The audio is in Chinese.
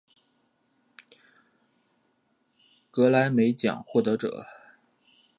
格莱美奖获得者。